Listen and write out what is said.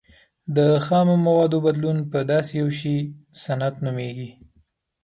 د خامو موادو بدلون په داسې یو شي صنعت نومیږي.